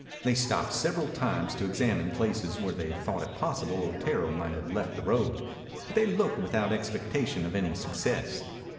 They stopped several times to examine places where they thought it possible Otero might have left the road, but they looked without expectation of any success.